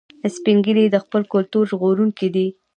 سپین ږیری د خپل کلتور ژغورونکي دي